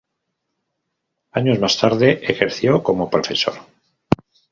Años más tarde ejerció como profesor.